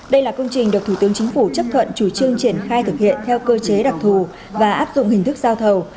đây là công trình được thủ tướng chính phủ chấp thuận chủ trương triển khai thực hiện theo cơ chế đặc thù và áp dụng hình thức giao thầu